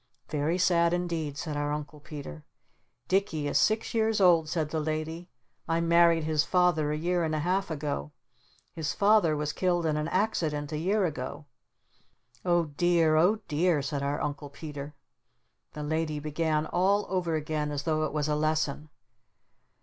"Very sad indeed," said our Uncle Peter. "Dicky is six years old," said the Lady. "I married his Father a year and a half ago. His Father was killed in an accident a year ago " "Oh dear Oh dear," said our Uncle Peter. The Lady began all over again as though it was a lesson.